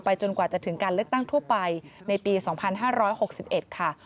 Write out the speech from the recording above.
จนกว่าจะถึงการเลือกตั้งทั่วไปในปี๒๕๖๑ค่ะ